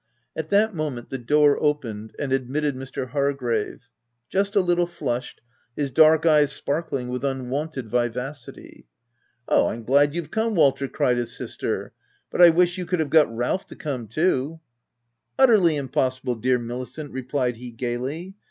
At that moment the door opened and admitted Mr. Hargrave ; just a little flushed, his dark eyes sparkling with unwonted vivacity. " Oh, I'm glad you're come, Walter !?' cried his sister — "But I wish you could have got Ralph to come too." " Utterly impossible, dear Milicent/' replied he, gaily.